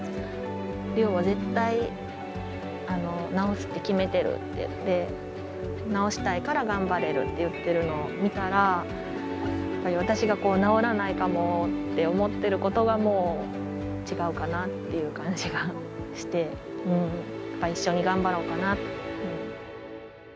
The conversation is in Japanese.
理央奈は絶対、治すって決めてるって言って、治したいから頑張れるって言っているのを見たら、やっぱり私が治らないかもって思ってることがもう、違うかなっていう感じがして、一緒に頑張ろうかなって。